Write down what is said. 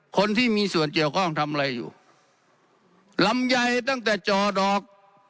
คนที่มีส่วนเกี่ยวข้องทำอะไรอยู่ลำไยตั้งแต่จ่อดอก